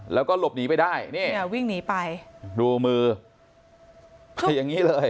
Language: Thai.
แล้วก็หลบหนีไปได้ดูมือไปอย่างนี้เลย